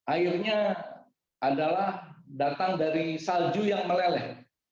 airnya adalah datang dari salju yang meleleh